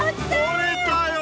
とれたよ。